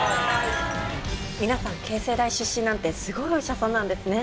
皆さん慶西大出身なんてすごいお医者さんなんですね。